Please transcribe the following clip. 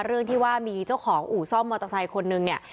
เรื่องที่ว่ามีเจ้าของอู่ซ่อมมอเตอร์ไซค์คนนึงเนี่ย